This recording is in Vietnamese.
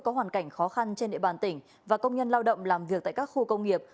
có hoàn cảnh khó khăn trên địa bàn tỉnh và công nhân lao động làm việc tại các khu công nghiệp